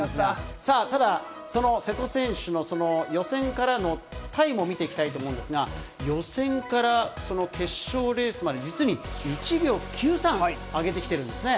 さあ、ただ、その瀬戸選手の予選からのタイムを見ていきたいと思うんですが、予選から決勝レースまで、実に１秒９３、上げてきているんですね。